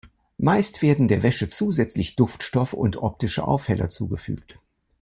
Meist werden der Wäsche zusätzlich Duftstoffe und optische Aufheller zugefügt.